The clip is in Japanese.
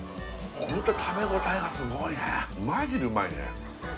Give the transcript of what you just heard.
ホントに食べ応えがすごいねマジでうまいね